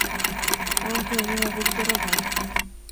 এমনকি অভিভাবকদেরও নয়।